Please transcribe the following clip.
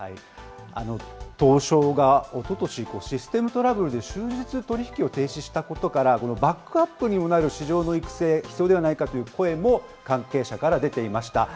東証がおととし、システムトラブルで終日、取り引きを停止したことから、このバックアップにもなる市場の育成、必要ではないかという声も関係者から出ていました。